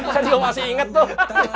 saya juga masih inget tuh